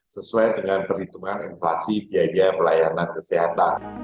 sesuai dengan perhitungan inflasi biaya pelayanan kesehatan